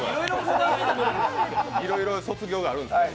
いろいろ卒業があるんですね。